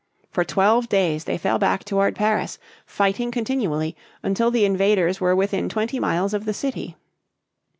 For twelve days they fell back toward Paris, fighting continually, until the invaders were within twenty miles of the city.